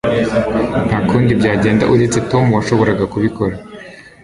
Nta kundi byagenda uretse Tom washoboraga kubikora.